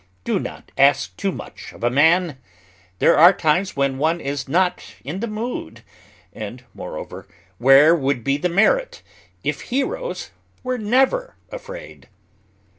Do not ask too much of a man! There are times when one is not in the mood; and, moreover, where would be the merit if heroes were never afraid?